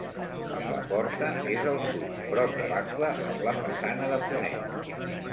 La porta és al sud, prop de l'angle amb la façana de ponent.